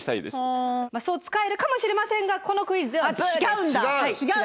まあそう使えるかもしれませんがこのクイズでは「ブー！」です。